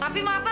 apa ini lho pen